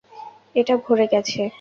এটা ভরে গেছে!